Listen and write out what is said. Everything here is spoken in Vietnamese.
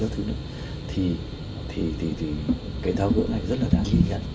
thì cái thao gỡ này rất là đáng nhìn nhận